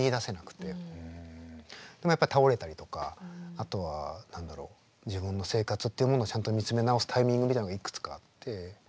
でもやっぱり倒れたりとかあとは何だろう自分の生活っていうものをちゃんと見つめ直すタイミングみたいなのがいくつかあって。